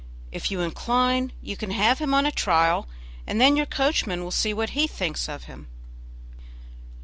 If you incline you can have him on trial, and then your coachman will see what he thinks of him."